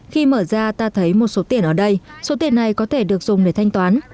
khi mở ra ta thấy một số tiền ở đây số tiền này có thể được dùng để thanh toán